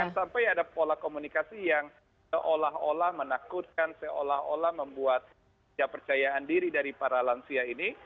jangan sampai ada pola komunikasi yang seolah olah menakutkan seolah olah membuat kepercayaan diri dari para lansia ini